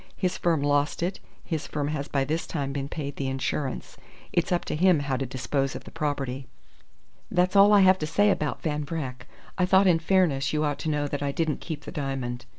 His firm lost it. His firm has by this time been paid the insurance. It's up to him how to dispose of the property. "That's all I have to say about Van Vreck. I thought in fairness you ought to know that I didn't keep the diamond.